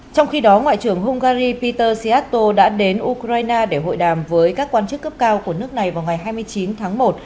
trong khi đó ngoại trưởng hungary peter siatto đã đến ukraine để hội đàm với các quan chức cấp cao của nước này vào ngày hai mươi chín tháng một